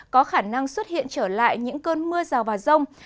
có khả năng xuất hiện trở lại những cơn mưa rào và rông